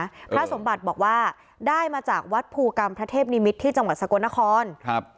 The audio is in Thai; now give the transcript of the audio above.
พระสมบัติบอกว่าได้มาจากวัดภูกรรมพระเทพนิมิตรที่จังหวัดสกลนครครับ